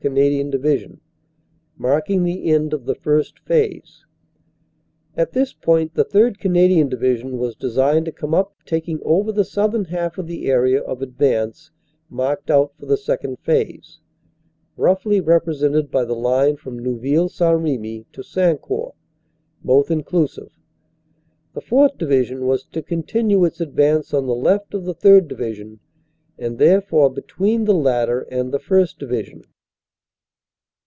Canadian Division, marking the end of the First Phase. At this point the 3rd. Canadian Division was designed to come up, taking over the southern half of the area of advance marked out for the Second Phase, roughly represented by the line from Neuville St. Remy to Sancourt, both inclusive. The 4th. Divi sion was to continue its advance on the left of the 3rd. Division, and therefore between the latter and the 1st. Division.